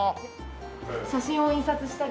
写真を印刷したり。